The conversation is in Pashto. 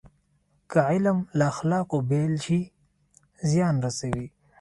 که علم له اخلاقو بېل شي، زیان رسوي.